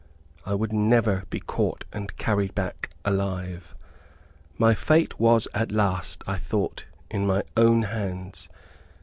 I would never be caught and carried back alive. My fate was at last, I thought, in my own hands.